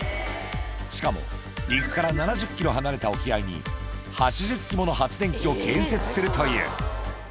しかも、陸から７０キロ離れた沖合に、８０基もの発電機を建設するという。